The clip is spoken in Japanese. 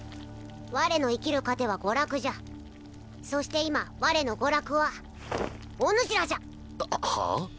我の生きる糧は娯楽じゃそして今我の娯楽はおぬしらじゃはあ？